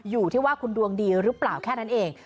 อยู่ที่ว่าคุณดวงดีหรือเปล่าแค่นั้นเอง